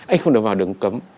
anh không được vào đường cấm